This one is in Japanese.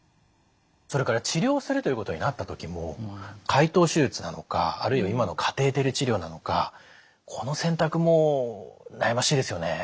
それから治療するということになった時も開頭手術なのかあるいは今のカテーテル治療なのかこの選択も悩ましいですよね。